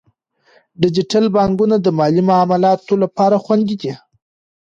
ډیجیټل بانکونه د مالي معاملو لپاره خوندي دي.